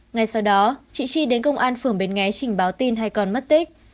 ngay sau đó chị chi đến công an phường bến nghé trình báo tin hai con mất tích